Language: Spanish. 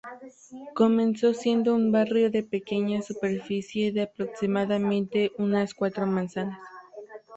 Comenzó siendo un barrio de pequeña superficie, de aproximadamente unas cuatro manzanas.